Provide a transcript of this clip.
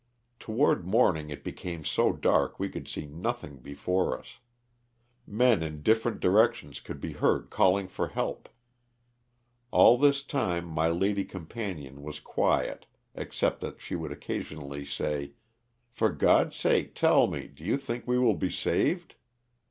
Toward morning it became so dark we could see nothing before us. Men in different directions could be heard calling for help. All this time my lady com LOSS OF THE SULTAN^A. 203 panion was quiet except that she would occasionally say ''for God's sake, tell me, do you think we will be saved